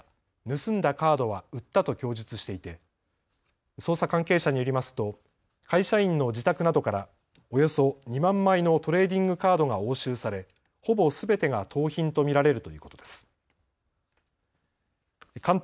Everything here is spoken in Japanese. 盗んだカードは売ったと供述していて捜査関係者によりますと会社員の自宅などからおよそ２万枚のトレーディングカードが押収されほぼすべてが盗品と見られるということです。